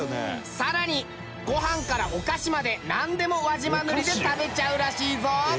更にごはんからお菓子までなんでも輪島塗で食べちゃうらしいぞ！